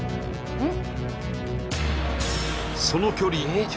えっ！？